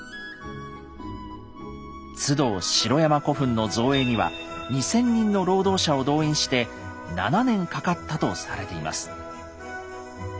津堂城山古墳の造営には２，０００人の労働者を動員して７年かかったとされています。